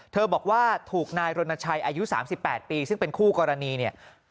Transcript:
บอกว่าถูกนายรณชัยอายุ๓๘ปีซึ่งเป็นคู่กรณีเนี่ย